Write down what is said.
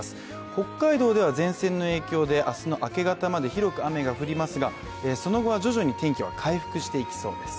北海道では前線の影響で明日の明け方まで広く雨が降りますが、その後は徐々に天気は回復していきそうです。